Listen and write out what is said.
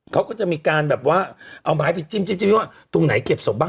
เขาก็จะมีการแบบว่าเอาไม้ไปจิ้มว่าตรงไหนเก็บศพบ้าง